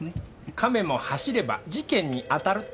亀も走れば事件に当たるってか？